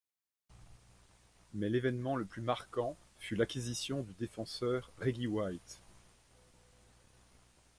Mais l’événement le plus marquant fut l’acquisition du défenseur Reggie White.